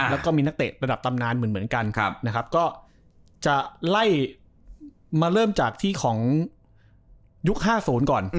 แล้วก็มีนักเตะระดับตำนานเหมือนกันนะครับก็จะไล่มาเริ่มจากที่ของยุค๕๐ก่อน